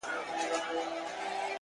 • پېړۍ قرنونه کیږي,